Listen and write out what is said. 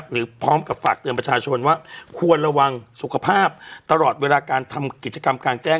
หรือพร้อมกับฝากเตือนประชาชนว่าควรระวังสุขภาพตลอดเวลาการทำกิจกรรมกลางแจ้ง